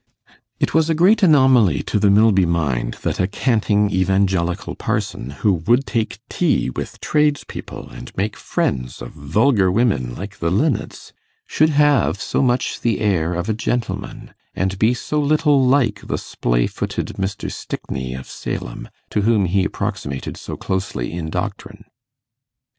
It was a great anomaly to the Milby mind that a canting evangelical parson, who would take tea with tradespeople, and make friends of vulgar women like the Linnets, should have so much the air of a gentleman, and be so little like the splay footed Mr. Stickney of Salem, to whom he approximated so closely in doctrine.